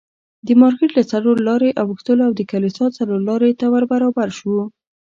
د مارکېټ له څلور لارې اوښتلو او د کلیسا څلورلارې ته ور برابر شوو.